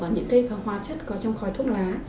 những hóa chất có trong khói thuốc lá